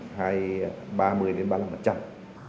không chỉ thua ở năng lực tăng